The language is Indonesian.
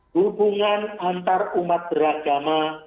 hubungan antarumat beragama